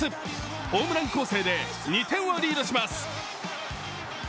ホームラン攻勢で２点をリードします。